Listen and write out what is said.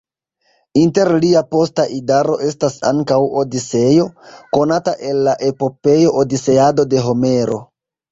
Inter lia posta idaro estas ankaŭ Odiseo, konata el la epopeo Odiseado de Homero.